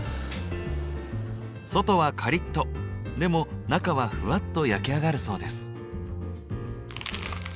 外はカリッとでも中はふわっと焼き上がるそうです。